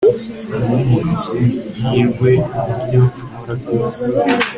umpumurize mpirwe mubyo nkora byose